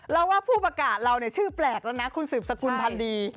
เราว่าผู้ประกาศเราชื่อแปลกแล้วนะคุณสืบสกุลพันดี